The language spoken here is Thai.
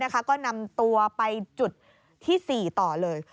ก็นำตัวไปจุดที่๔ต่อเลย